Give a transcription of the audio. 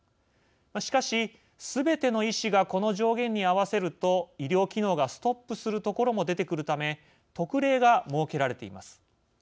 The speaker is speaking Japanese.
しかし、すべての医師がこの上限に合わせると医療機能がストップする所も出てくるため特例が設けられています。